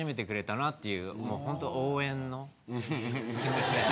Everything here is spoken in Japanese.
もうホント応援の気持ちです。